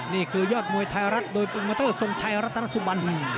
นี่คือยอดมวยไทยรัฐโดยตุมเตอร์ทรงไทยรัฐรัฐสุบัน